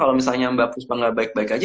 kalau misalnya mbak fuspa gak baik baik aja